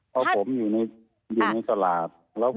เพราะผมอยู่ในตลาด